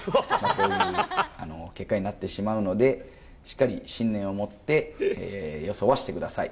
こういう結果になってしまうので、しっかり信念を持って、予想はしてください。